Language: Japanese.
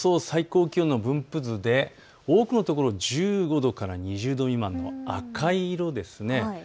最高気温の分布図で多くの所、１５度から２０度未満、赤い色ですね。